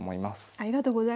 ありがとうございます。